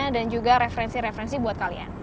dan juga referensi referensi buat kalian